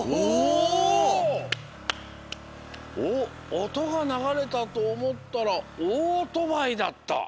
お「おとがながれたとおもったらおーとばいだった」。